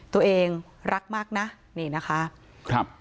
ตัวเองรักมากนะนี่นะคะครับ